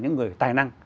những người tài năng